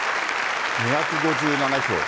２５７票。